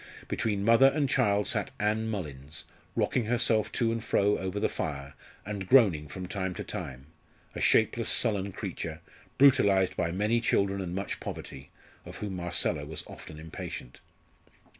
Between mother and child sat Ann Mullins, rocking herself to and fro over the fire, and groaning from time to time a shapeless sullen creature, brutalised by many children and much poverty of whom Marcella was often impatient.